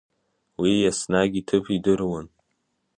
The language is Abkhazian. Уи иаснагь иҭыԥ идыруан.